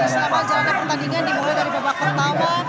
selama jalannya pertandingan dimulai dari babak pertama